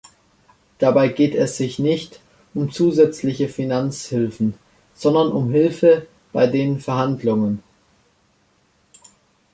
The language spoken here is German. Dabei geht es sich nicht um zusätzliche Finanzhilfen, sondern um Hilfe bei den Verhandlungen.